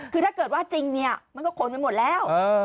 คือถ้าเกิดว่าจริงเนี่ยมันก็ขนไปหมดแล้ว